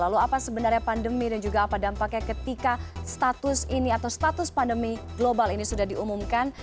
lalu apa sebenarnya pandemi dan juga apa dampaknya ketika status ini atau status pandemi global ini sudah diumumkan